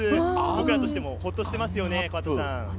僕らとしてもホッとしてますよね。